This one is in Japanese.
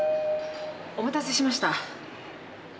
お待たせしました。